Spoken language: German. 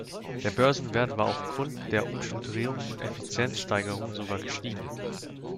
Der Börsenwert war aufgrund der Umstrukturierung und Effizienzsteigerung sogar gestiegen.